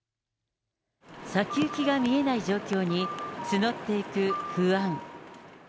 先行きが見えない状況に、募っていく不安。